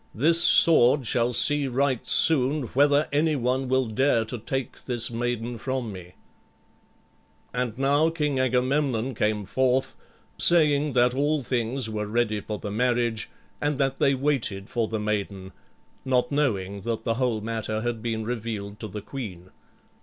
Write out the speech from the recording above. This sword shall see right soon whether any one will dare to take this maiden from me." And now King Agamemnon came forth, saying that all things were ready for the marriage, and that they waited for the maiden, not knowing that the whole matter had been revealed to the queen.